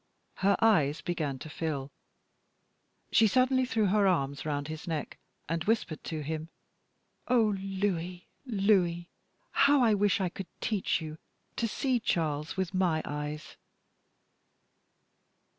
Her eyes began to fill; she suddenly threw her arms round his neck, and whispered to him: "Oh, Louis, Louis! how I wish I could teach you to see Charles with my eyes!"